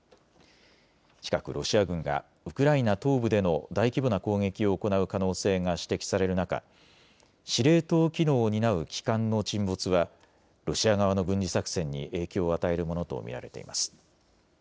近くロシア軍がウクライナ東部での大規模な攻撃を行う可能性が指摘される中、司令塔機能を担う旗艦の沈没はロシア側の軍事作戦に影響を与えるものと見られています。